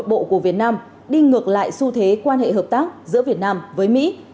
công việc nội bộ của việt nam đi ngược lại xu thế quan hệ hợp tác giữa việt nam với mỹ